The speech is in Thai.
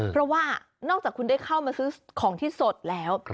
เพราะว่านอกจากคุณได้เข้ามาซื้อของที่สดแล้ว